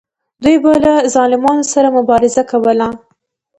دوی به له ظالمانو سره مبارزه کوله.